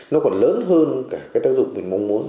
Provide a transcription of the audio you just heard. nó còn lớn hơn cả cái tác dụng mình mong muốn